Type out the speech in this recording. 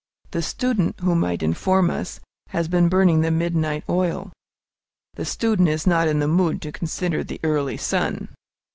The student, who might inform us, has been burning the midnight oil. The student is not in the mood to consider the early sun.